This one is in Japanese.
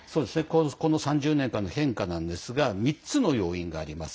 この３０年間の変化なんですが３つの要因があります。